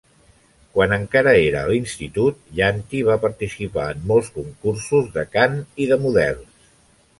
Quan encara era a l'institut, Yanti va participar en molts concursos de cant i de models.